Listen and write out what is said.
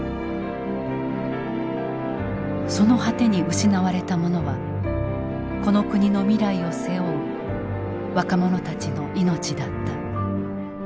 その果てに失われたものはこの国の未来を背負う若者たちの命だった。